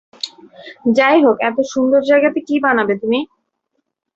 যাইহোক এত সুন্দর জায়গাতে কী বানাবে তুমি।